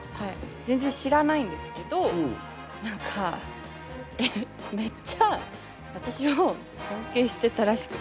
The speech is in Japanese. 全然知らないんですけど何かめっちゃ私を尊敬してたらしくて。